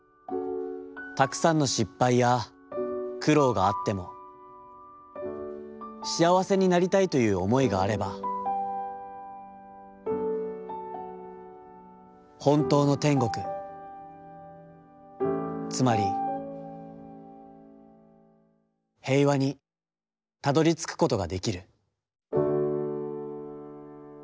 たくさんの失敗や苦労があっても、しあわせになりたいという思いがあれば、ほんとうの天国、つまり平和にたどり着くことができる』」。